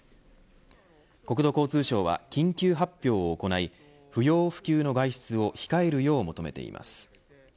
国土交通省は緊急発表を行い不要不急の外出を控えるよう求めています。